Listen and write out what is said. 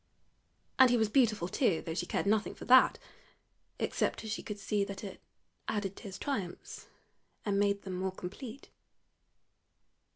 And he was beautiful too, though she cared nothing for that, except as she could see that it added to his triumphs and made them more complete.